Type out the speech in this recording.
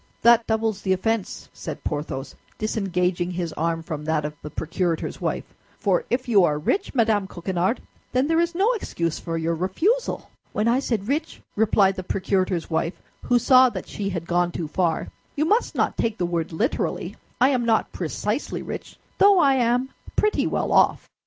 "That doubles the offense," said Porthos, disengaging his arm from that of the procurator's wife; "for if you are rich, Madame Coquenard, then there is no excuse for your refusal." "When I said rich," replied the procurator's wife, who saw that she had gone too far, "you must not take the word literally. I am not precisely rich, though I am pretty well off."